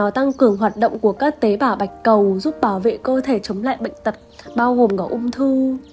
tăng cường hoạt động của các tế bảo bạch cầu giúp bảo vệ cơ thể chống lại bệnh tật bao gồm cả ung thư